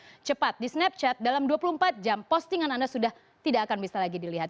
secara cepat di snapchat dalam dua puluh empat jam postingan anda sudah tidak akan bisa lagi dilihat